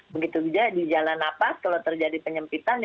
begitu juga di jalan nafas kalau terjadi penyempitan